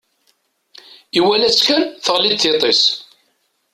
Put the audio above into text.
Iwala-tt kan, teɣli-d tiṭ-is.